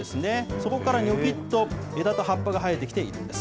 そこからにょきっと枝と葉っぱが生えてきています。